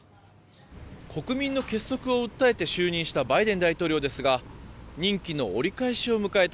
国民の結束を訴えて就任したバイデン大統領ですが任期の折り返しを迎えた